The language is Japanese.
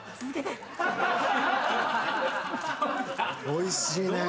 おいしいね。